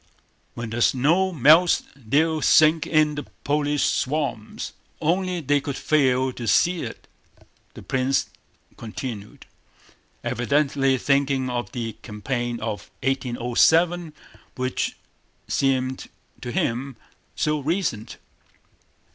"When the snow melts they'll sink in the Polish swamps. Only they could fail to see it," the prince continued, evidently thinking of the campaign of 1807 which seemed to him so recent.